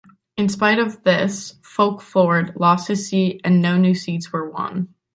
In spite of this, Folkvord lost his seat and no new seats were won.